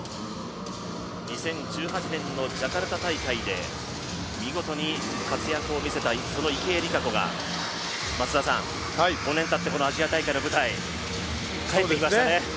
２０１８年のジャカルタ大会で見事に活躍を見せたその池江璃花子が５年たってアジア大会の舞台に帰ってきましたね。